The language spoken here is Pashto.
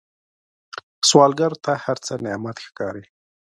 سوالګر ته هر څه نعمت ښکاري